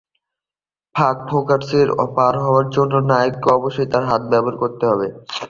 ফাঁক-ফোকর পার হওয়ার জন্য নায়ককে অবশ্যই তার হাত ব্যবহার করতে হবে।